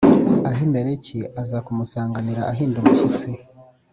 Ahimeleki aza kumusanganira ahinda umushyitsi